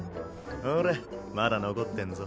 おらっまだ残ってんぞ。